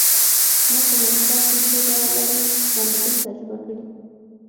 ما په ماهیپر کې څو ځله لارې بندیدل تجربه کړي.